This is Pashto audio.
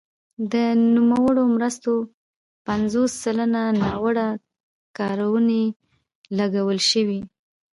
د نوموړو مرستو پنځوس سلنه ناوړه کارونې لګول شوي.